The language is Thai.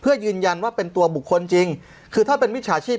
เพื่อยืนยันว่าเป็นตัวบุคคลจริงคือถ้าเป็นมิจฉาชีพ